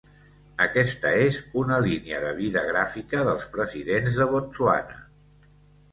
Aquesta és una línia de vida gràfica dels presidents de Botswana.